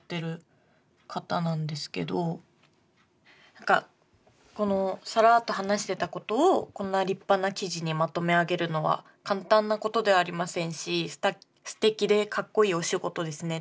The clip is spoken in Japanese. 何かこの「サラーっと話してたことをこんな立派な記事にまとめあげるのは簡単なことではありませんし素敵でカッコイイお仕事ですね」